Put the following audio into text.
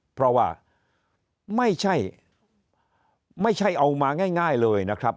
เพราะว่าไม่ใช่ไม่ใช่เอามาง่ายเลยนะครับ